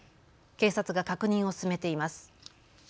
警察が確認を進めています。